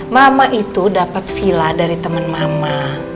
mama itu dapet villa dari temen mama